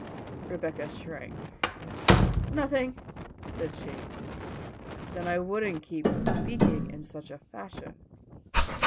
Rebecca shrank. "Nothing," said she. "Then I wouldn't keep speaking in such a fashion."